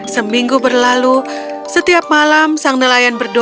seminggu berlalu setiap malam sang nelayan berdua